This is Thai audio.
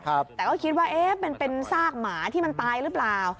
แต่ก็คิดว่าเอ๊ะมันเป็นซากหมาที่มันตายหรือเปล่า